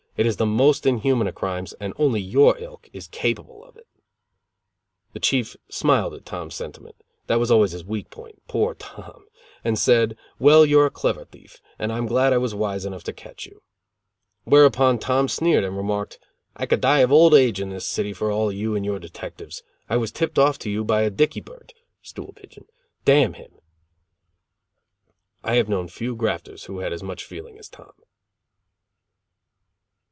It is the most inhuman of crimes and only your ilk is capable of it." The Chief smiled at Tom's sentiment that was always his weak point poor Tom! and said: "Well, you are a clever thief, and I'm glad I was wise enough to catch you." Whereupon Tom sneered and remarked: "I could die of old age in this city for all of you and your detectives. I was tipped off to you by a Dicky Bird (stool pigeon) damn him!" I have known few grafters who had as much feeling as Tom.